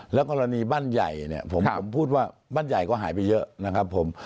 แล้วกรณีบ้านใหญ่เนี่ยผมพูดว่าบ้านใหญ่ก็หายไปเยอะนะครับผม